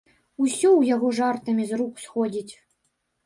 Усё ў яго жартамі з рук сходзіць.